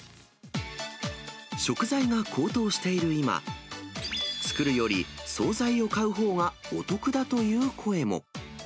食材が高騰している今、作るより総菜を買うほうがお得だという声も。